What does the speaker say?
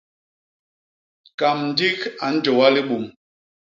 Kamndik a njôwa libum.